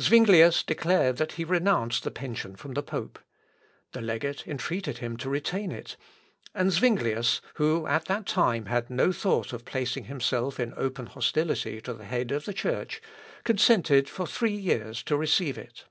Zuinglius declared that he renounced the pension from the pope. The legate entreated him to retain it; and Zuinglius, who at that time had no thought of placing himself in open hostility to the head of the Church, consented for three years to receive it.